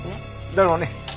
だろうね。